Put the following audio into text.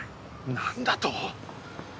何だと！